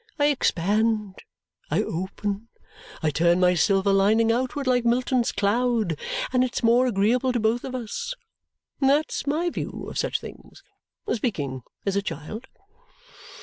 I expand, I open, I turn my silver lining outward like Milton's cloud, and it's more agreeable to both of us.' That's my view of such things, speaking as a child!"